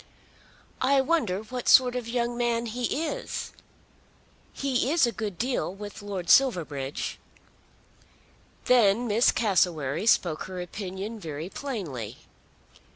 I wonder what sort of a young man he is. He is a good deal with Lord Silverbridge." Then Miss Cassewary spoke her opinion very plainly.